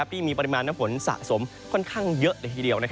ที่มีปริมาณน้ำฝนสะสมค่อนข้างเยอะเลยทีเดียว